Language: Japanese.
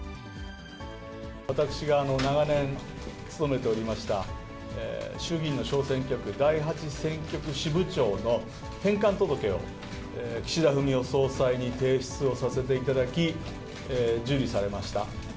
私が長年、務めておりました衆議院の小選挙区第８選挙区支部長の返還届を、岸田文雄総裁に提出をさせていただき、受理されました。